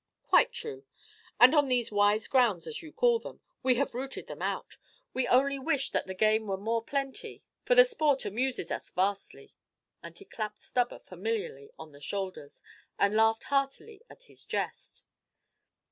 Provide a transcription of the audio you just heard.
"Quite true; and on these wise grounds, as you call them, we have rooted them out. We only wish that the game were more plenty, for the sport amuses us vastly." And he clapped Stubber familiarly on the shoulder, and laughed heartily at his jest.